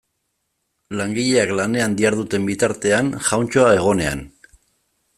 Langileak lanean diharduten bitartean jauntxoa egonean.